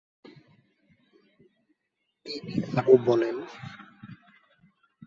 তিনি আরো বলেন।